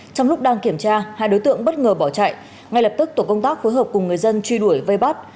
trong lúc đang kiểm tra hai đối tượng bất ngờ bỏ chạy ngay lập tức tổ công tác phối hợp cùng người dân truy đuổi vây bắt